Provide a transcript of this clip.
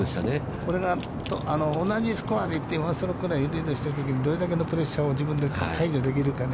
これが同じスコアで行って、１ストロークぐらいリードしているときにどれだけのプレッシャーを自分で解除できるかね。